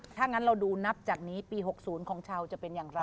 ถ้างั้นเราดูนับจากนี้ปี๖๐ของชาวจะเป็นอย่างไร